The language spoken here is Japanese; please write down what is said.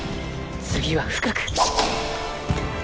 次は深く！